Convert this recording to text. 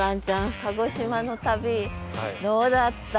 鹿児島の旅どうだった？